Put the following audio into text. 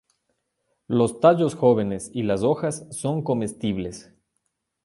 Los tallos jóvenes y las hojas son comestibles.